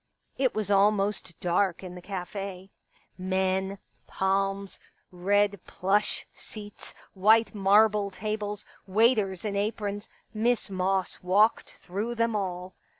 It was almost dark in the cafe. Men, palms, red 169 Pictures plush seats, white marble tables, waiters in aprons, Miss Moss walked through them all.